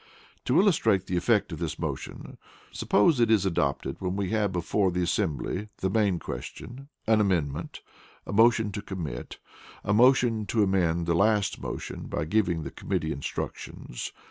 To illustrate the Effect of this motion, suppose it is adopted when we have before the assembly, (a) the main question; (b) an amendment; (c) a motion to commit; (d) a motion to amend the last motion by giving the committee instructions.